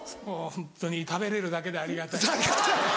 ホントに食べれるだけでありがたいです。